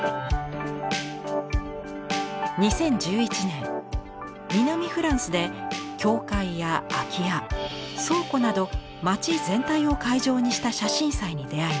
２０１１年南フランスで教会や空き家倉庫など町全体を会場にした写真祭に出会います。